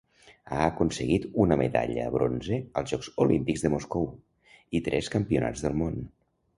Ha aconseguit una medalla bronze als Jocs Olímpics de Moscou, i tres Campionats del món.